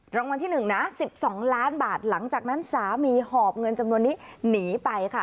รางวัลที่๑นะ๑๒ล้านบาทหลังจากนั้นสามีหอบเงินจำนวนนี้หนีไปค่ะ